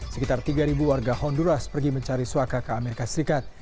sekitar tiga warga honduras pergi mencari suaka ke amerika serikat